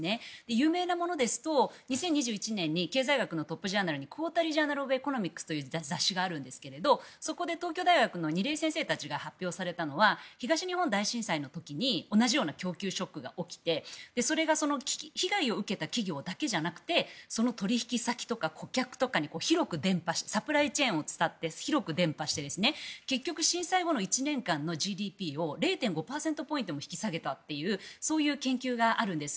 有名なものですと２０２１年に経済学のトップジャーナルにコータル・ジャーナル・オブ・エコノミクスという雑誌があるんですがそこで東京大学の先生が発表されたのは東日本大震災の時に同じような供給ショックが起きてそれが被害を受けた企業だけじゃなくて取引先とか顧客にサプライチェーンを伝って広く伝播して震災後の１年間のＧＤＰを０．５ポイントも引き下げたという研究があるんです。